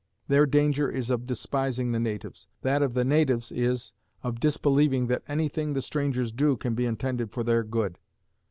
Their danger is of despising the natives; that of the natives is, of disbelieving that any thing the strangers do can be intended for their good.